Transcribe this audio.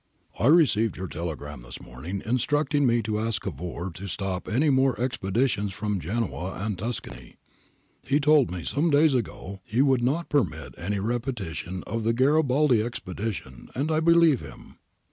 ]' I received your telegram this morning instructing me to ask Cavour to stop any more expeditions from Genoa and Tuscany. He told me some days ago he would not permit any repetition of the Garibaldi expedition, and I believe him.'